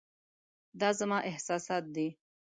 دا زما احساسات دي .